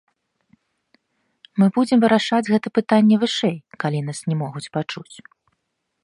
Мы будзем вырашаць гэта пытанне вышэй, калі нас не могуць пачуць.